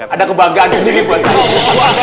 ada kebanggaan sendiri buat sama ustadz musa